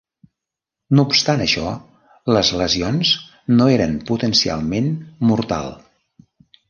No obstant això, les lesions no eren potencialment mortal.